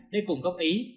để cùng góp ý